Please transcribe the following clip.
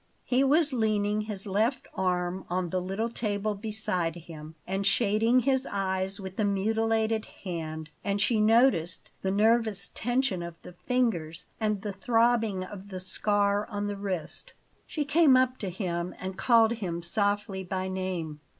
He was leaning his left arm on the little table beside him, and shading his eyes with the mutilated hand, and she noticed the nervous tension of the fingers and the throbbing of the scar on the wrist. She came up to him and called him softly by name.